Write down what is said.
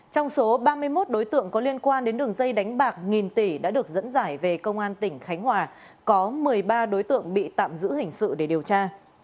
trong số ba mươi một đối tượng có liên quan đến đường dây đánh bạc nghìn tỷ đã được dẫn giải về công an tỉnh khánh hòa có một mươi ba đối tượng bị tạm giữ hình sự để điều tra